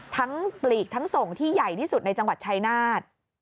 ปลีกทั้งส่งที่ใหญ่ที่สุดในจังหวัดชายนาฏ